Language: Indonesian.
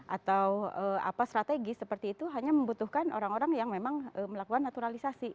atau strategis seperti itu hanya membutuhkan orang orang yang memang melakukan naturalisasi